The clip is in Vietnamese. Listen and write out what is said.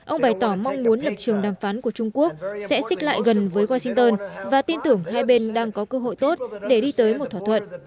ông bày tỏ mong muốn lập trường đàm phán của trung quốc sẽ xích lại gần với washington và tin tưởng hai bên đang có cơ hội tốt để đi tới một thỏa thuận